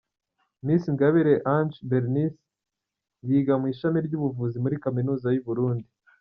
Miss Ingabire Ange Bernice yiga mu ishami ry’Ubuvuzi muri Kaminuza y’u Burundi.